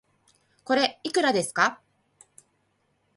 これ、いくらですか